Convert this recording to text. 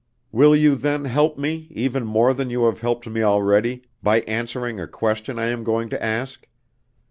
Will you then help me, even more than you have helped me already, by answering a question I am going to ask?